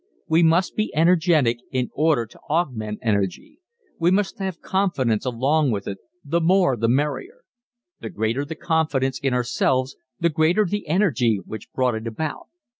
We must be energetic in order to augment energy. We must have confidence along with it ... the more the merrier. The greater the confidence in ourselves the greater the energy which brought it about.